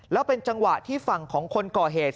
แล้วเป็นจังหวะที่ฝั่งของคนก่อเหตุ